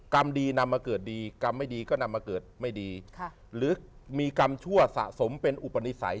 กรรมดีนำมาเกิดดีกรรมไม่ดีก็นำมาเกิดไม่ดีหรือมีกรรมชั่วสะสมเป็นอุปนิสัย